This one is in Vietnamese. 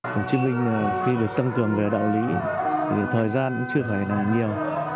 hồ chí minh khi được tăng cường về đạo lý thì thời gian cũng chưa phải là nhiều